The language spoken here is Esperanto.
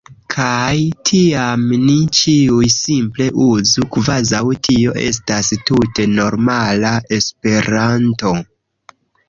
Kaj tiam ni ĉiuj simple uzu kvazaŭ tio estas tute normala Esperanto.